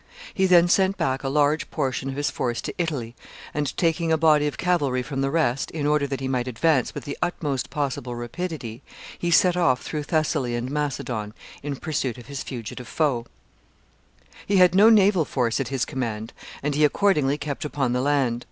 He then sent back a large portion of his force to Italy, and, taking a body of cavalry from the rest, in order that he might advance with the utmost possible rapidity, he set off through Thessaly and Macedon in pursuit of his fugitive foe. [Sidenote: Treasures of the Temple of Diana.] He had no naval force at his command, and he accordingly kept upon the land.